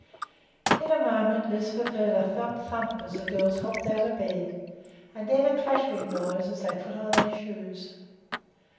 In a moment Lisbeth heard a thump! thump! as the girls hopped out of bed, and then a clattering noise as they put on their shoes.